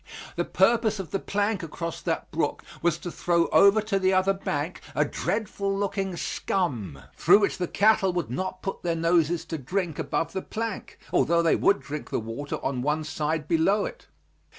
The purpose of the plank across that brook was to throw over to the other bank a dreadful looking scum through which the cattle would not put their noses to drink above the plank, although they would drink the water on one side below it.